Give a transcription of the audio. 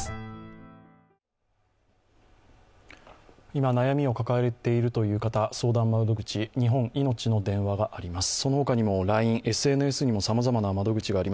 今、悩みを抱えているという方、相談窓口、日本いのちの電話があります。